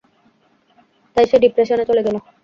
তাই সে ডিপ্রেশনে চলে গেল।